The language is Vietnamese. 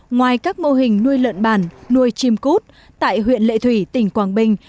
ngoài các mô hình nuôi lợn bàn nuôi chim cụt tại huyện lệ thủy tỉnh quảng bình